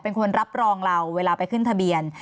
เป็นคนรับรองเราเวลาไปขึ้นทะเบียน